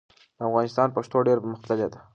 د افغانستان پښتو ډېره پرمختللې ده.